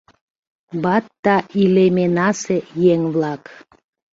“Батта илеменасе еҥ-влак!